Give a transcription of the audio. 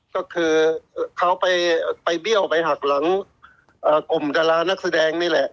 เข้าไปเหลี้ยวหักหลังกลมดราราหนักแสดงนี่แหละ